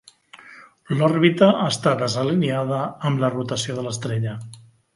L'òrbita està desalineada amb la rotació de l'estrella.